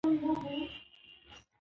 او خرڅېږي او اخيستل کېږي.